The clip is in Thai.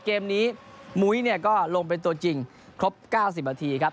เกมนี้มุ้ยเนี่ยก็ลงเป็นตัวจริงครบ๙๐นาทีครับ